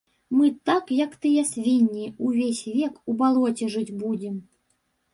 Мы так, як тыя свінні, увесь век у балоце жыць будзем.